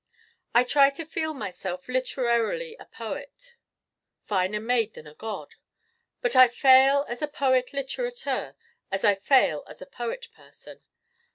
I try to feel myself literarily a poet finer made than a god. But I fail as a poet litterateur as I fail as a poet person.